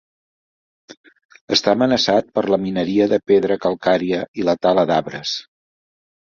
Està amenaçat per la mineria de pedra calcària i la tala d'arbres.